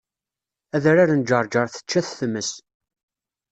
Adrar n Ǧerǧer tečča-t tmes